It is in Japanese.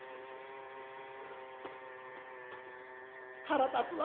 「腹立つわ。